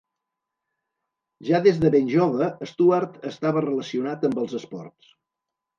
Ja des de ben jove, Stuart estava relacionat amb els esports.